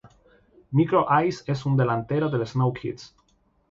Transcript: Micro Ice es un delantero del Snow Kids.